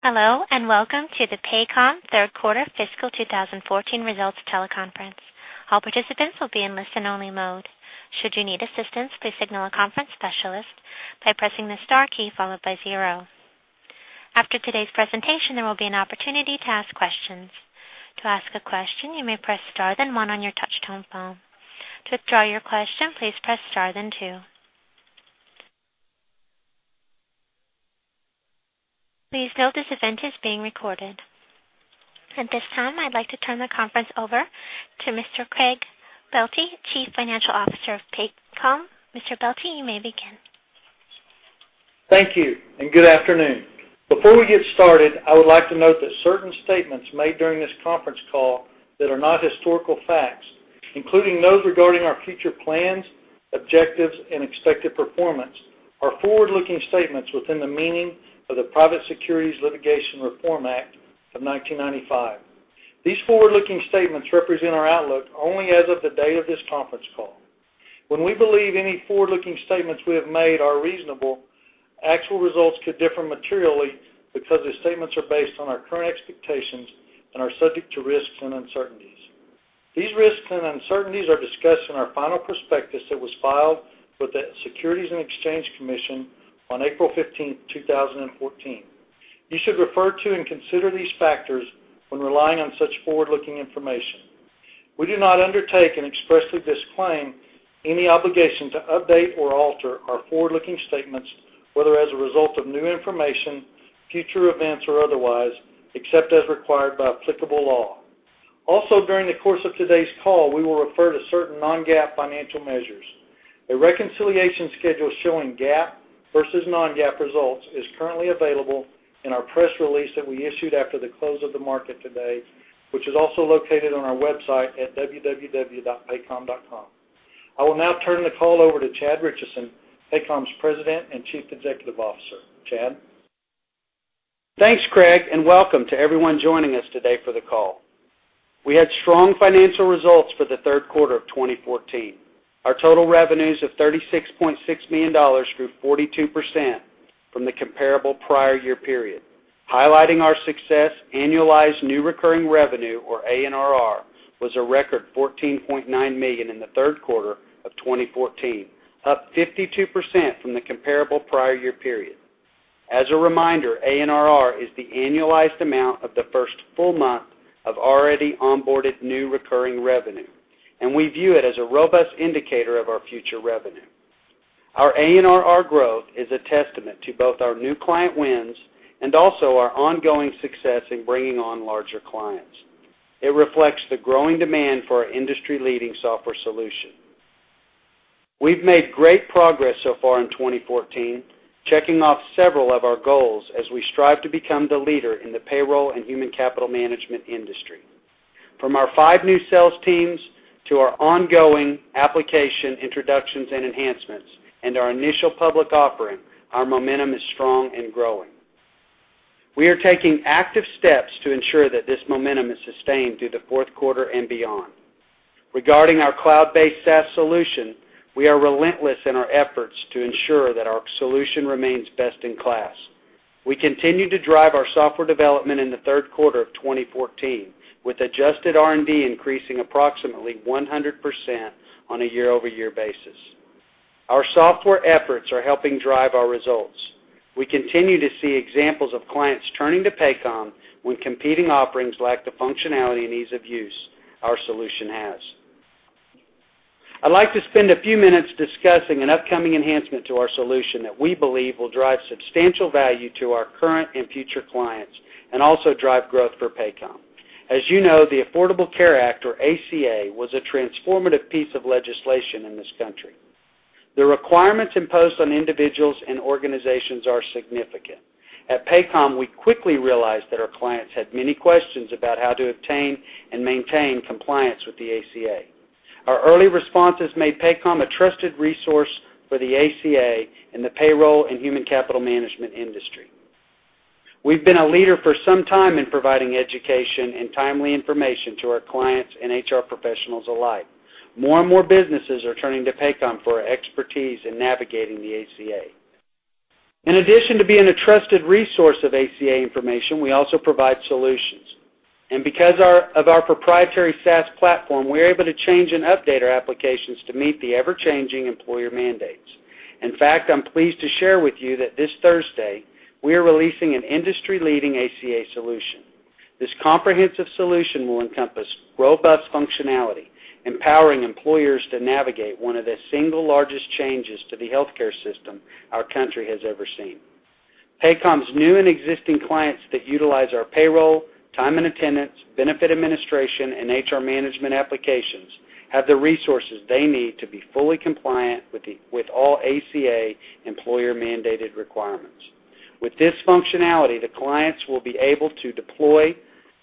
Hello, and welcome to the Paycom third quarter fiscal 2014 results teleconference. All participants will be in listen-only mode. Should you need assistance, please signal a conference specialist by pressing the star key followed by zero. After today's presentation, there will be an opportunity to ask questions. To ask a question, you may press star, then one on your touch-tone phone. To withdraw your question, please press star, then two. Please note this event is being recorded. At this time, I'd like to turn the conference over to Mr. Craig Boelte, Chief Financial Officer of Paycom. Mr. Boelte, you may begin. Thank you. Good afternoon. Before we get started, I would like to note that certain statements made during this conference call that are not historical facts, including those regarding our future plans, objectives, and expected performance, are forward-looking statements within the meaning of the Private Securities Litigation Reform Act of 1995. These forward-looking statements represent our outlook only as of the date of this conference call. When we believe any forward-looking statements we have made are reasonable, actual results could differ materially because the statements are based on our current expectations and are subject to risks and uncertainties. These risks and uncertainties are discussed in our final prospectus that was filed with the Securities and Exchange Commission on April 15th, 2014. You should refer to and consider these factors when relying on such forward-looking information. We do not undertake and expressly disclaim any obligation to update or alter our forward-looking statements, whether as a result of new information, future events, or otherwise, except as required by applicable law. Also, during the course of today's call, we will refer to certain non-GAAP financial measures. A reconciliation schedule showing GAAP versus non-GAAP results is currently available in our press release that we issued after the close of the market today, which is also located on our website at www.paycom.com. I will now turn the call over to Chad Richison, Paycom's President and Chief Executive Officer. Chad? Thanks, Craig. Welcome to everyone joining us today for the call. We had strong financial results for the third quarter of 2014. Our total revenues of $36.6 million grew 42% from the comparable prior year period. Highlighting our success, annualized new recurring revenue, or ANRR, was a record $14.9 million in the third quarter of 2014, up 52% from the comparable prior year period. As a reminder, ANRR is the annualized amount of the first full month of already onboarded new recurring revenue, and we view it as a robust indicator of our future revenue. Our ANRR growth is a testament to both our new client wins and also our ongoing success in bringing on larger clients. It reflects the growing demand for our industry-leading software solution. We've made great progress so far in 2014, checking off several of our goals as we strive to become the leader in the payroll and human capital management industry. From our five new sales teams to our ongoing application introductions and enhancements and our initial public offering, our momentum is strong and growing. We are taking active steps to ensure that this momentum is sustained through the fourth quarter and beyond. Regarding our cloud-based SaaS solution, we are relentless in our efforts to ensure that our solution remains best in class. We continued to drive our software development in the third quarter of 2014, with adjusted R&D increasing approximately 100% on a year-over-year basis. Our software efforts are helping drive our results. We continue to see examples of clients turning to Paycom when competing offerings lack the functionality and ease of use our solution has. I'd like to spend a few minutes discussing an upcoming enhancement to our solution that we believe will drive substantial value to our current and future clients and also drive growth for Paycom. As you know, the Affordable Care Act, or ACA, was a transformative piece of legislation in this country. The requirements imposed on individuals and organizations are significant. At Paycom, we quickly realized that our clients had many questions about how to obtain and maintain compliance with the ACA. Our early responses made Paycom a trusted resource for the ACA in the payroll and human capital management industry. We've been a leader for some time in providing education and timely information to our clients and HR professionals alike. More and more businesses are turning to Paycom for our expertise in navigating the ACA. In addition to being a trusted resource of ACA information, we also provide solutions. Because of our proprietary SaaS platform, we are able to change and update our applications to meet the ever-changing employer mandates. In fact, I'm pleased to share with you that this Thursday, we are releasing an industry-leading ACA solution. This comprehensive solution will encompass robust functionality, empowering employers to navigate one of the single largest changes to the healthcare system our country has ever seen. Paycom's new and existing clients that utilize our payroll, time and attendance, benefit administration, and HR management applications have the resources they need to be fully compliant with all ACA employer-mandated requirements. With this functionality, the clients will be able to deploy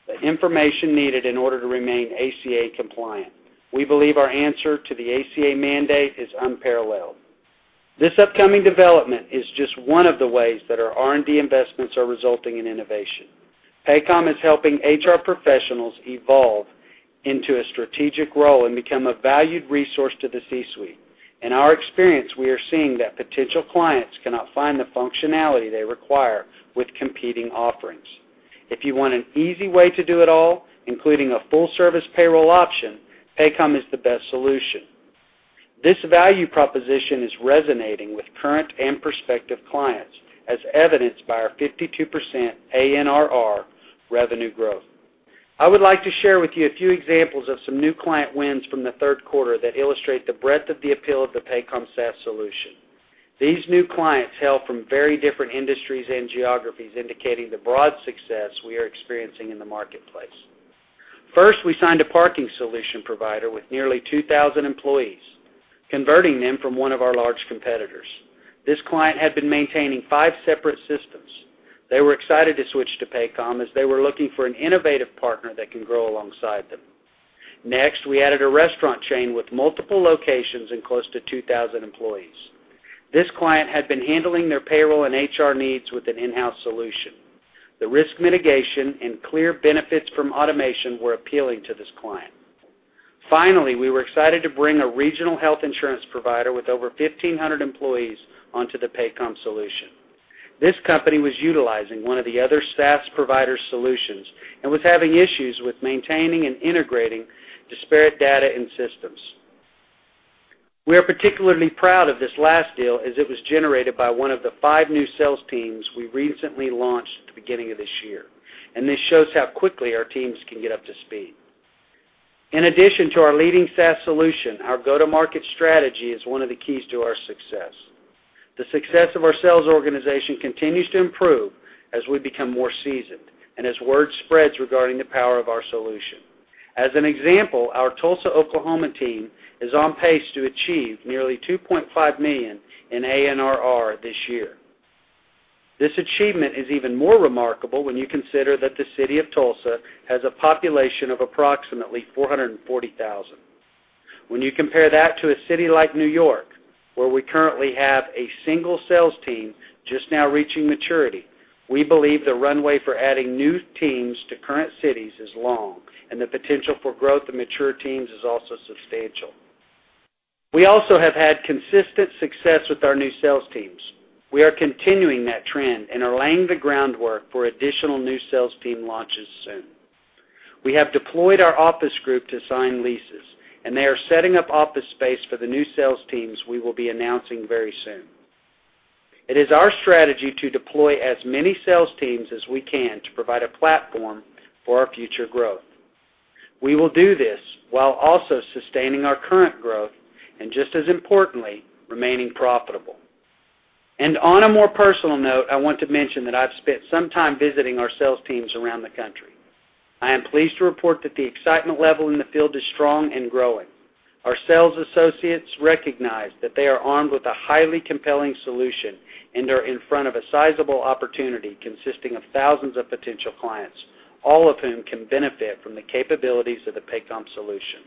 the information needed in order to remain ACA compliant. We believe our answer to the ACA mandate is unparalleled. This upcoming development is just one of the ways that our R&D investments are resulting in innovation. Paycom is helping HR professionals evolve into a strategic role and become a valued resource to the C-suite. In our experience, we are seeing that potential clients cannot find the functionality they require with competing offerings. If you want an easy way to do it all, including a full-service payroll option, Paycom is the best solution. This value proposition is resonating with current and prospective clients, as evidenced by our 52% ANRR revenue growth. I would like to share with you a few examples of some new client wins from the third quarter that illustrate the breadth of the appeal of the Paycom SaaS solution. These new clients hail from very different industries and geographies, indicating the broad success we are experiencing in the marketplace. First, we signed a parking solution provider with nearly 2,000 employees, converting them from one of our large competitors. This client had been maintaining five separate systems. They were excited to switch to Paycom, as they were looking for an innovative partner that can grow alongside them. Next, we added a restaurant chain with multiple locations and close to 2,000 employees. This client had been handling their payroll and HR needs with an in-house solution. The risk mitigation and clear benefits from automation were appealing to this client. Finally, we were excited to bring a regional health insurance provider with over 1,500 employees onto the Paycom solution. This company was utilizing one of the other SaaS provider solutions and was having issues with maintaining and integrating disparate data and systems. We are particularly proud of this last deal, as it was generated by one of the five new sales teams we recently launched at the beginning of this year, and this shows how quickly our teams can get up to speed. In addition to our leading SaaS solution, our go-to-market strategy is one of the keys to our success. The success of our sales organization continues to improve as we become more seasoned and as word spreads regarding the power of our solution. As an example, our Tulsa, Oklahoma team is on pace to achieve nearly $2.5 million in ANRR this year. This achievement is even more remarkable when you consider that the city of Tulsa has a population of approximately 440,000. When you compare that to a city like New York, where we currently have a single sales team just now reaching maturity, we believe the runway for adding new teams to current cities is long, and the potential for growth of mature teams is also substantial. We also have had consistent success with our new sales teams. We are continuing that trend and are laying the groundwork for additional new sales team launches soon. We have deployed our office group to sign leases, and they are setting up office space for the new sales teams we will be announcing very soon. It is our strategy to deploy as many sales teams as we can to provide a platform for our future growth. We will do this while also sustaining our current growth and, just as importantly, remaining profitable. On a more personal note, I want to mention that I've spent some time visiting our sales teams around the country. I am pleased to report that the excitement level in the field is strong and growing. Our sales associates recognize that they are armed with a highly compelling solution and are in front of a sizable opportunity consisting of thousands of potential clients, all of whom can benefit from the capabilities of the Paycom solution.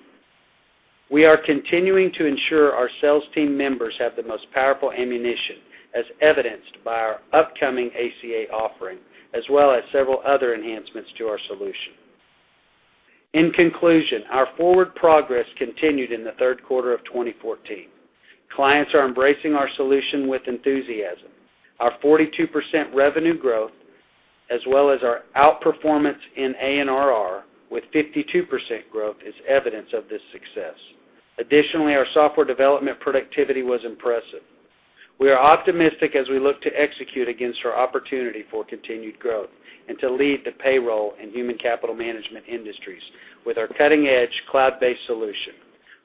We are continuing to ensure our sales team members have the most powerful ammunition, as evidenced by our upcoming ACA offering, as well as several other enhancements to our solution. In conclusion, our forward progress continued in the third quarter of 2014. Clients are embracing our solution with enthusiasm. Our 42% revenue growth, as well as our outperformance in ANRR with 52% growth, is evidence of this success. Additionally, our software development productivity was impressive. We are optimistic as we look to execute against our opportunity for continued growth and to lead the payroll and human capital management industries with our cutting-edge cloud-based solution.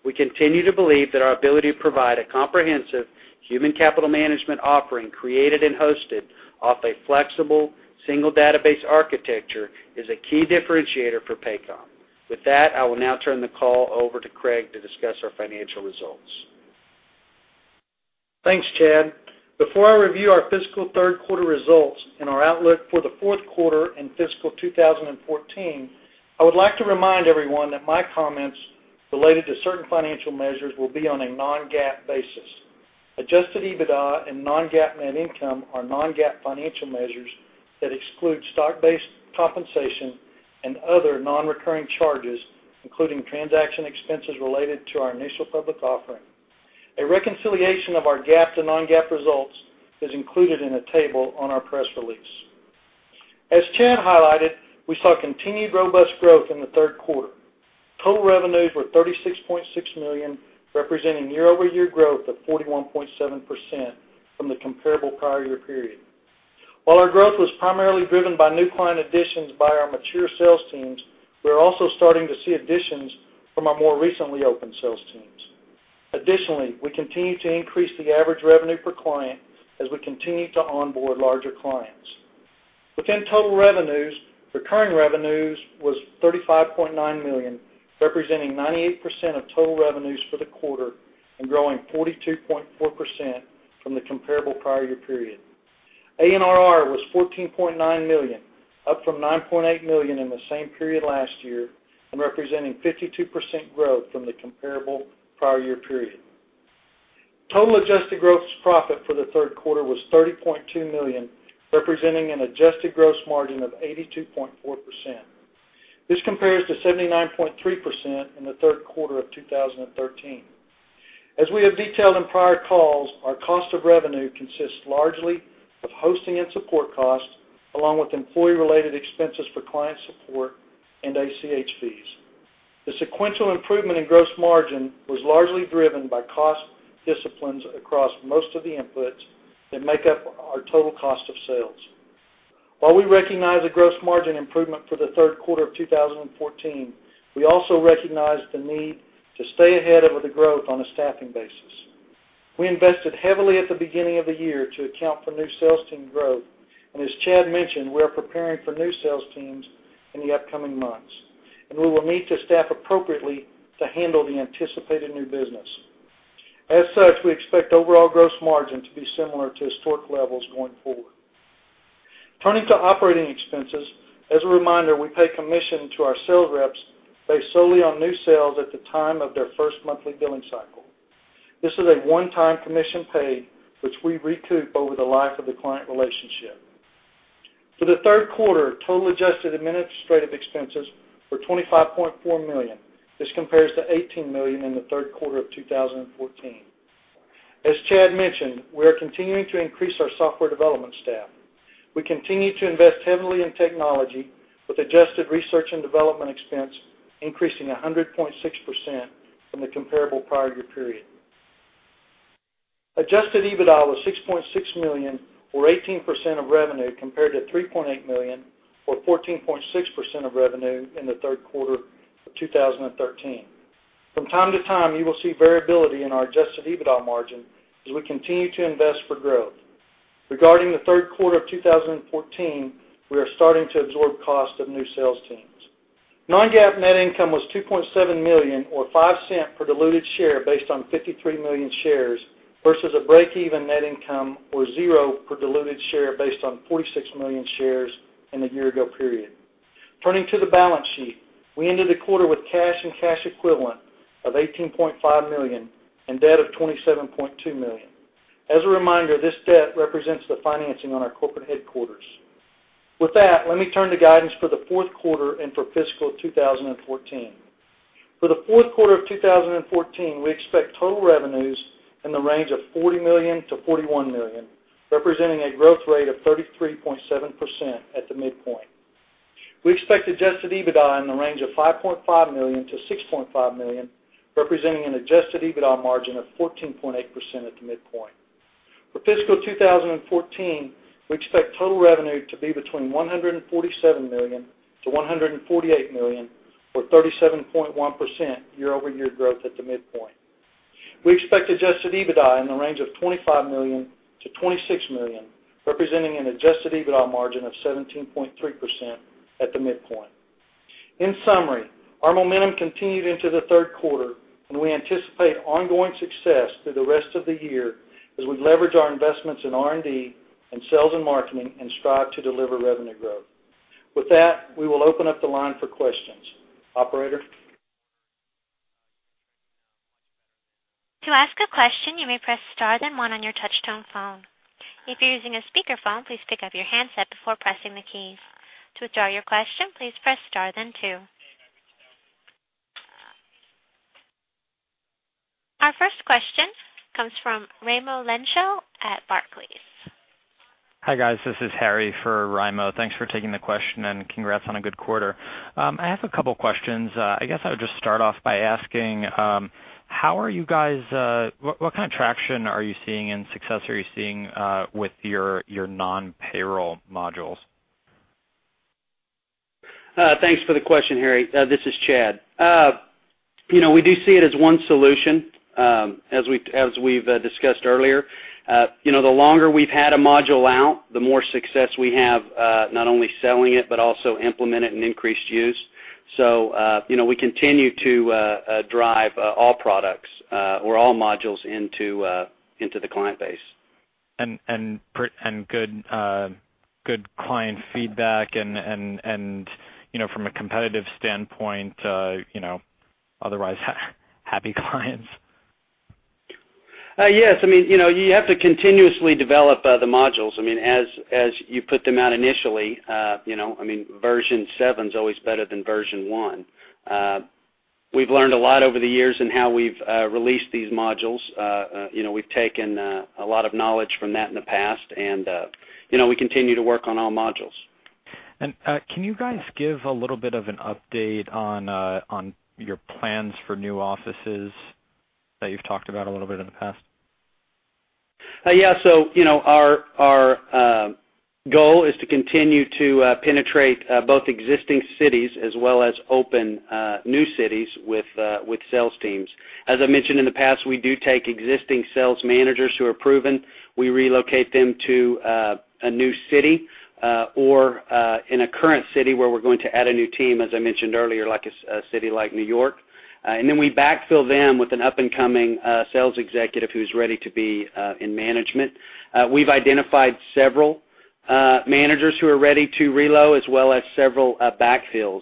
We continue to believe that our ability to provide a comprehensive human capital management offering created and hosted off a flexible single database architecture is a key differentiator for Paycom. With that, I will now turn the call over to Craig to discuss our financial results. Thanks, Chad. Before I review our fiscal third-quarter results and our outlook for the fourth quarter and fiscal 2014, I would like to remind everyone that my comments related to certain financial measures will be on a non-GAAP basis. Adjusted EBITDA and non-GAAP net income are non-GAAP financial measures that exclude stock-based compensation and other non-recurring charges, including transaction expenses related to our initial public offering. A reconciliation of our GAAP to non-GAAP results is included in a table on our press release. As Chad highlighted, we saw continued robust growth in the third quarter. Total revenues were $36.6 million, representing year-over-year growth of 41.7% from the comparable prior year period. While our growth was primarily driven by new client additions by our mature sales teams, we're also starting to see additions from our more recently opened sales teams. Additionally, we continue to increase the average revenue per client as we continue to onboard larger clients. Within total revenues, recurring revenues was $35.9 million, representing 98% of total revenues for the quarter and growing 42.4% from the comparable prior year period. ANRR was $14.9 million, up from $9.8 million in the same period last year and representing 52% growth from the comparable prior year period. Total adjusted gross profit for the third quarter was $30.2 million, representing an adjusted gross margin of 82.4%. This compares to 79.3% in the third quarter of 2013. As we have detailed in prior calls, our cost of revenue consists largely of hosting and support costs, along with employee-related expenses for client support and ACH fees. The sequential improvement in gross margin was largely driven by cost disciplines across most of the inputs that make up our total cost of sales. While we recognize a gross margin improvement for the third quarter of 2014, we also recognize the need to stay ahead of the growth on a staffing basis. We invested heavily at the beginning of the year to account for new sales team growth, as Chad mentioned, we are preparing for new sales teams in the upcoming months, and we will need to staff appropriately to handle the anticipated new business. As such, we expect overall gross margin to be similar to historic levels going forward. Turning to operating expenses, as a reminder, we pay commission to our sales reps based solely on new sales at the time of their first monthly billing cycle. This is a one-time commission paid, which we recoup over the life of the client relationship. For the third quarter, total adjusted administrative expenses were $25.4 million. This compares to $18 million in the third quarter of 2014. As Chad mentioned, we are continuing to increase our software development staff. We continue to invest heavily in technology, with adjusted research and development expense increasing 100.6% from the comparable prior year period. Adjusted EBITDA was $6.6 million, or 18% of revenue, compared to $3.8 million, or 14.6% of revenue in the third quarter of 2013. From time to time, you will see variability in our adjusted EBITDA margin as we continue to invest for growth. Regarding the third quarter of 2014, we are starting to absorb cost of new sales teams. Non-GAAP net income was $2.7 million, or $0.05 per diluted share based on 53 million shares, versus a break-even net income or $0 per diluted share based on 46 million shares in the year-ago period. Turning to the balance sheet, we ended the quarter with cash and cash equivalent of $18.5 million and debt of $27.2 million. As a reminder, this debt represents the financing on our corporate headquarters. With that, let me turn to guidance for the fourth quarter and for fiscal 2014. For the fourth quarter of 2014, we expect total revenues in the range of $40 million to $41 million, representing a growth rate of 33.7% at the midpoint. We expect adjusted EBITDA in the range of $5.5 million to $6.5 million, representing an adjusted EBITDA margin of 14.8% at the midpoint. For fiscal 2014, we expect total revenue to be between $147 million to $148 million, or 37.1% year-over-year growth at the midpoint. We expect adjusted EBITDA in the range of $25 million to $26 million, representing an adjusted EBITDA margin of 17.3% at the midpoint. In summary, our momentum continued into the third quarter. We anticipate ongoing success through the rest of the year as we leverage our investments in R&D and sales and marketing and strive to deliver revenue growth. With that, we will open up the line for questions. Operator? To ask a question, you may press star then one on your touch-tone phone. If you're using a speakerphone, please pick up your handset before pressing the keys. To withdraw your question, please press star then two. Our first question comes from Raimo Lenschow at Barclays. Hi, guys. This is Harry for Raimo. Thanks for taking the question and congrats on a good quarter. I have a couple questions. I guess I would just start off by asking, what kind of traction are you seeing and success are you seeing with your non-payroll modules? Thanks for the question, Harry. This is Chad. We do see it as one solution, as we've discussed earlier. The longer we've had a module out, the more success we have, not only selling it, but also implement it and increased use. We continue to drive all products or all modules into the client base. Good client feedback and from a competitive standpoint, otherwise happy clients? Yes. You have to continuously develop the modules. As you put them out initially, version seven's always better than version one. We've learned a lot over the years in how we've released these modules. We've taken a lot of knowledge from that in the past, we continue to work on all modules. Can you guys give a little bit of an update on your plans for new offices that you've talked about a little bit in the past? Our goal is to continue to penetrate both existing cities as well as open new cities with sales teams. As I mentioned in the past, we do take existing sales managers who are proven. We relocate them to a new city or in a current city where we're going to add a new team, as I mentioned earlier, like a city like New York. We backfill them with an up-and-coming sales executive who's ready to be in management. We've identified several managers who are ready to reload, as well as several backfills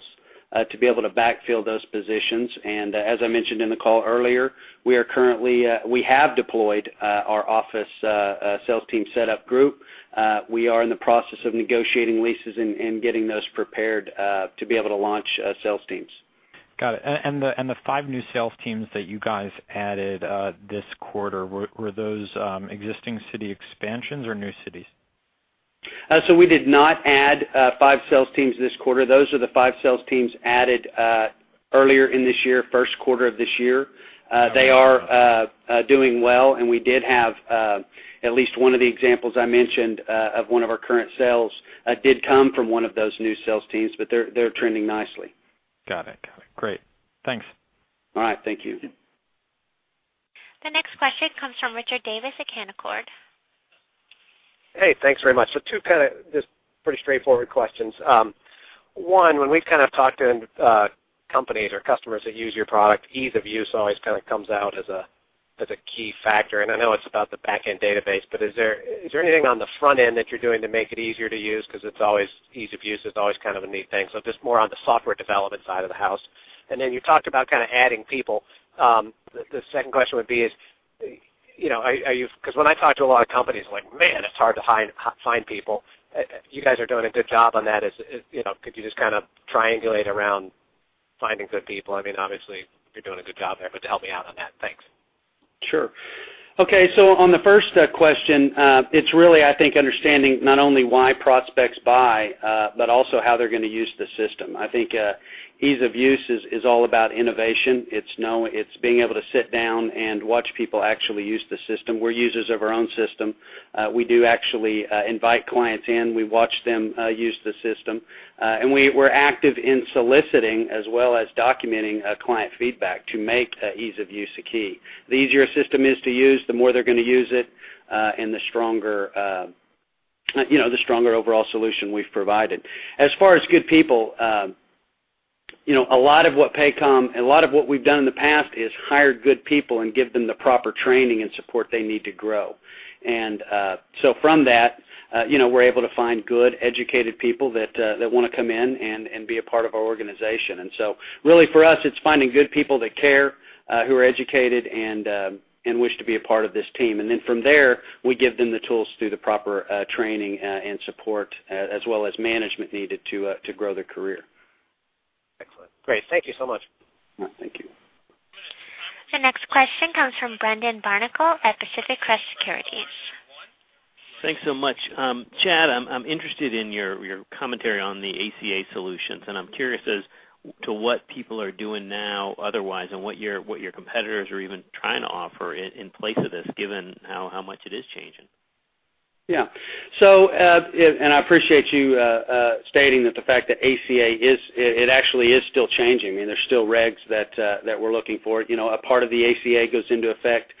to be able to backfill those positions. As I mentioned in the call earlier, we have deployed our office sales team setup group. We are in the process of negotiating leases and getting those prepared, to be able to launch sales teams. The five new sales teams that you guys added this quarter, were those existing city expansions or new cities? We did not add five sales teams this quarter. Those are the five sales teams added earlier in this year, first quarter of this year. They are doing well, and we did have at least one of the examples I mentioned, of one of our current sales did come from one of those new sales teams, but they're trending nicely. Got it. Great. Thanks. All right. Thank you. The next question comes from Richard Davis at Canaccord. Hey, thanks very much. Two kind of just pretty straightforward questions. One, when we've kind of talked to companies or customers that use your product, ease of use always kind of comes out as a key factor, and I know it's about the back-end database, but is there anything on the front end that you're doing to make it easier to use? Because ease of use is always kind of a neat thing. Just more on the software development side of the house. You talked about kind of adding people. The second question would be, because when I talk to a lot of companies, like, man, it's hard to find people. You guys are doing a good job on that. Could you just kind of triangulate around finding good people? Obviously, you're doing a good job there, but help me out on that. Thanks. Sure. Okay. On the first question, it's really, I think, understanding not only why prospects buy, but also how they're going to use the system. I think, ease of use is all about innovation. It's being able to sit down and watch people actually use the system. We're users of our own system. We do actually invite clients in. We watch them use the system. We're active in soliciting as well as documenting client feedback to make ease of use a key. The easier a system is to use, the more they're going to use it, and the stronger overall solution we've provided. As far as good people, a lot of what we've done in the past is hired good people and give them the proper training and support they need to grow. From that, we're able to find good, educated people that want to come in and be a part of our organization. Really for us, it's finding good people that care, who are educated, and wish to be a part of this team. From there, we give them the tools through the proper training and support, as well as management needed to grow their career. Excellent. Great. Thank you so much. Thank you. The next question comes from Brendan Barnicle at Pacific Crest Securities. Thanks so much. Chad, I'm interested in your commentary on the ACA solutions, I'm curious as to what people are doing now otherwise, and what your competitors are even trying to offer in place of this, given how much it is changing. Yeah. I appreciate you stating that the fact that ACA, it actually is still changing, there's still regs that we're looking for. A part of the ACA goes into effect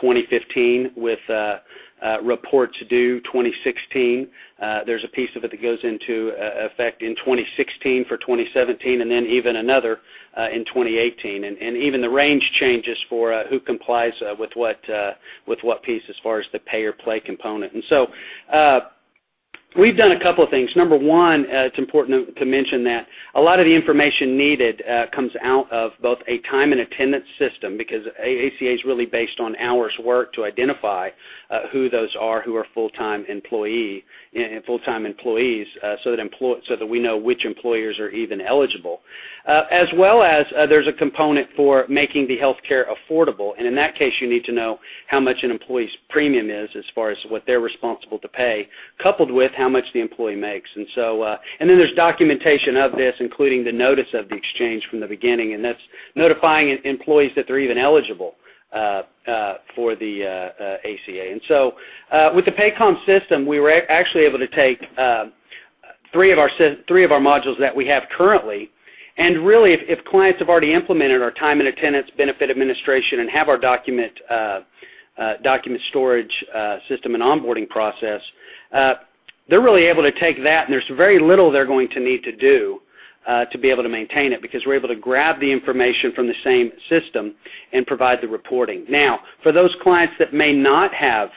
2015, with reports due 2016. There's a piece of it that goes into effect in 2016 for 2017, then even another, in 2018. Even the range changes for who complies with what piece as far as the pay or play component. So, we've done a couple of things. Number 1, it's important to mention that a lot of the information needed comes out of both a time and attendance system, because ACA is really based on hours worked to identify who those are who are full-time employees, so that we know which employers are even eligible. there's a component for making the healthcare affordable, and in that case, you need to know how much an employee's premium is as far as what they're responsible to pay, coupled with how much the employee makes. Then there's documentation of this, including the notice of the exchange from the beginning, and that's notifying employees that they're even eligible for the ACA. With the Paycom system, we were actually able to take three of our modules that we have currently, and really, if clients have already implemented our time and attendance benefit administration and have our document storage system and onboarding process, they're really able to take that, and there's very little they're going to need to do to be able to maintain it, because we're able to grab the information from the same system and provide the reporting. For those clients that may not have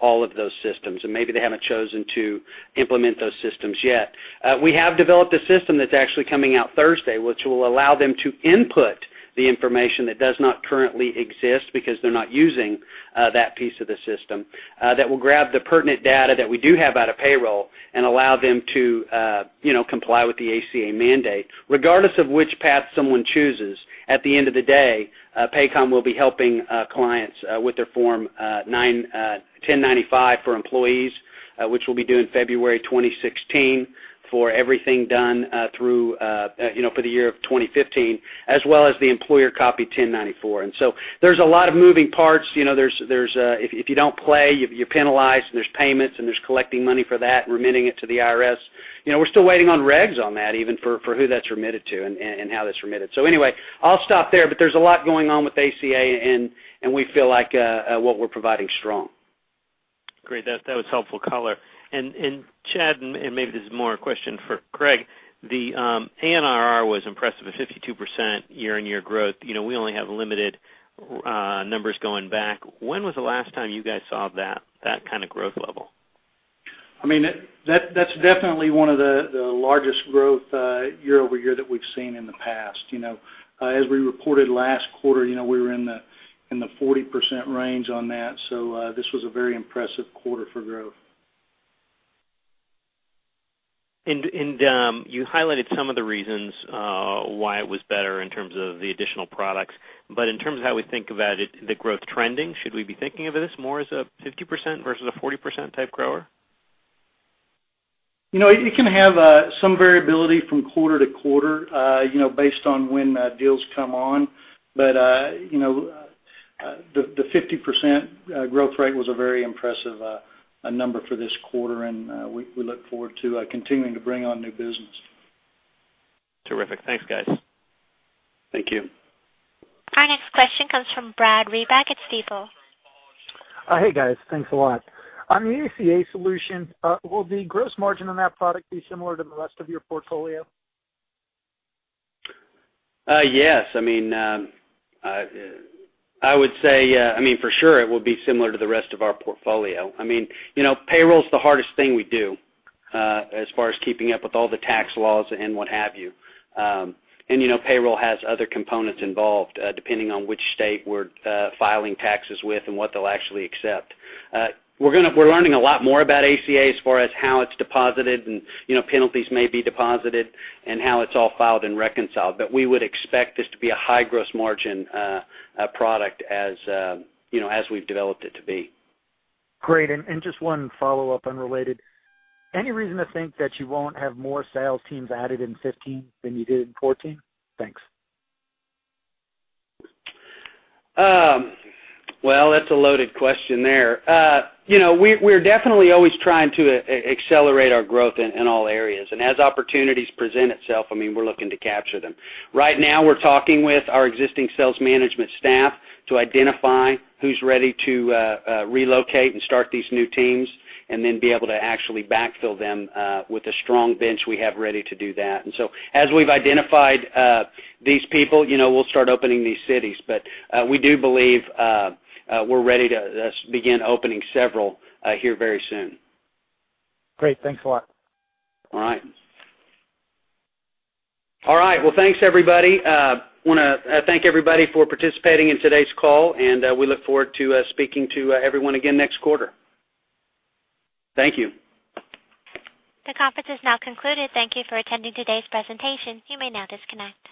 all of those systems, and maybe they haven't chosen to implement those systems yet, we have developed a system that's actually coming out Thursday, which will allow them to input the information that does not currently exist because they're not using that piece of the system, that will grab the pertinent data that we do have out of payroll and allow them to comply with the ACA mandate. Regardless of which path someone chooses, at the end of the day, Paycom will be helping clients with their Form 1095 for employees, which will be due in February 2016, for everything done for the year of 2015, as well as the employer copy 1094. There's a lot of moving parts. If you don't play, you're penalized, and there's payments, and there's collecting money for that and remitting it to the IRS. We're still waiting on regs on that, even for who that's remitted to and how that's remitted. I'll stop there, but there's a lot going on with ACA, and we feel like what we're providing is strong. Great. That was helpful color. Chad, and maybe this is more a question for Craig. The ANRR was impressive at 52% year-on-year growth. We only have limited numbers going back. When was the last time you guys saw that kind of growth level? That's definitely one of the largest growth year-over-year that we've seen in the past. As we reported last quarter, we were in the 40% range on that. This was a very impressive quarter for growth. You highlighted some of the reasons why it was better in terms of the additional products. In terms of how we think about the growth trending, should we be thinking of this more as a 50% versus a 40% type grower? It can have some variability from quarter to quarter, based on when deals come on. The 50% growth rate was a very impressive number for this quarter, and we look forward to continuing to bring on new business. Terrific. Thanks, guys. Thank you. Our next question comes from Brad Reback at Stifel. Hey, guys. Thanks a lot. On the ACA solution, will the gross margin on that product be similar to the rest of your portfolio? Yes. For sure, it will be similar to the rest of our portfolio. Payroll's the hardest thing we do, as far as keeping up with all the tax laws and what have you. Payroll has other components involved, depending on which state we're filing taxes with and what they'll actually accept. We're learning a lot more about ACA as far as how it's deposited and penalties may be deposited and how it's all filed and reconciled. We would expect this to be a high gross margin product as we've developed it to be. Great. Just one follow-up, unrelated. Any reason to think that you won't have more sales teams added in 2015 than you did in 2014? Thanks. Well, that's a loaded question there. We're definitely always trying to accelerate our growth in all areas. As opportunities present itself, we're looking to capture them. Right now, we're talking with our existing sales management staff to identify who's ready to relocate and start these new teams, then be able to actually backfill them with a strong bench we have ready to do that. As we've identified these people, we'll start opening these cities. We do believe we're ready to begin opening several here very soon. Great. Thanks a lot. All right. All right. Well, thanks, everybody. We want to thank everybody for participating in today's call, and we look forward to speaking to everyone again next quarter. Thank you. The conference is now concluded. Thank you for attending today's presentation. You may now disconnect.